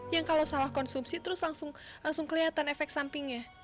yang kalau salah konsumsi terus langsung kelihatan efek sampingnya